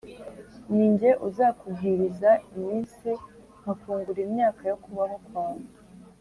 ni jye uzakugwiriza iminsi, nkakungura imyaka yo kubaho kwawe